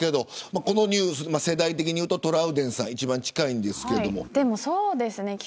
このニュースは世代的にいうとトラウデンさんが一番近いんですけど。